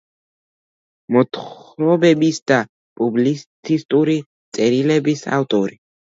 მოთხრობებისა და პუბლიცისტური წერილების ავტორი.